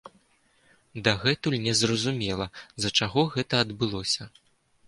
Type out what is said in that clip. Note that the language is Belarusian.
Дагэтуль незразумела, з-за чаго гэта адбылося.